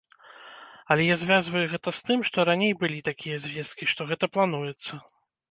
Але я звязваю гэта з тым, што раней былі такія звесткі, што гэта плануецца.